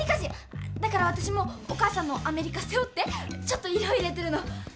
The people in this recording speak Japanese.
だから私もお母さんのアメリカ背負ってちょっと色入れてるの。